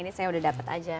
ini saya sudah dapat saja